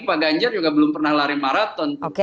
pak ganjar juga belum pernah lari maraton